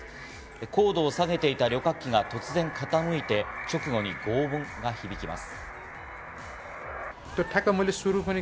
高度を下げていた旅客機が突然傾いて、直後に轟音が響いています。